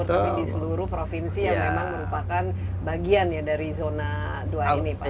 tapi di seluruh provinsi yang memang merupakan bagian ya dari zona dua ini pak